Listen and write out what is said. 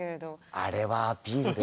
あれはアピールです。